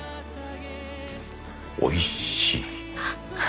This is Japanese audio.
おいしい。